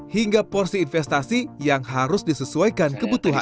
hingga porsi investasi yang harus disesuaikan kebutuhan